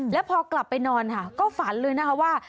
แล้วพอกลับไปนอนค่ะก็ฝันเลยนะคะว่า